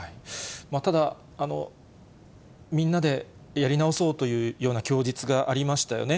ただ、みんなでやり直そうというような供述がありましたよね。